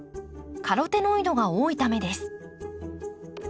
カロテノイドが多いためです。